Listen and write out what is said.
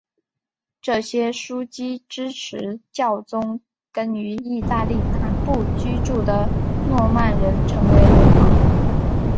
这些枢机支持教宗跟于意大利南部居住的诺曼人成为联盟。